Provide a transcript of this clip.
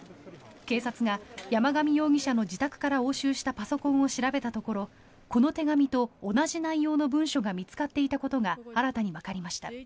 警察が山上容疑者の自宅から押収したパソコンを調べたところこの手紙と同じ内容の文書が見つかっていたことが新たにわかりました。